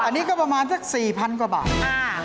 อันนี้ก็ประมาณสัก๔๐๐๐กว่าบาท